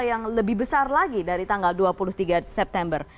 yang lebih besar lagi dari tanggal dua puluh tiga september